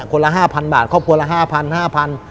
ละ๕๐๐บาทครอบครัวละ๕๐๐๕๐๐บาท